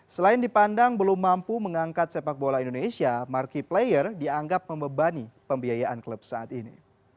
selain dipandang belum mampu mengangkat sepak bola indonesia marki player dianggap membebani pembiayaan klub saat ini